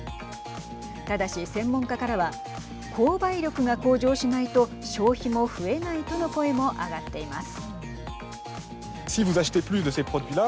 ただし専門家からは購買力が向上しないと消費も増えないとの声も上がっています。